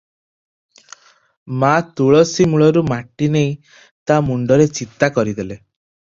ମା ତୁଳସୀ ମୂଳରୁ ମାଟି ନେଇ ତା ମୁଣ୍ଡରେ ଚିତା କରିଦେଲେ ।